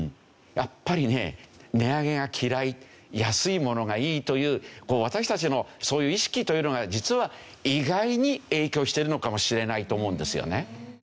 やっぱりね値上げが嫌い安い物がいいという私たちのそういう意識というのが実は意外に影響しているのかもしれないと思うんですよね。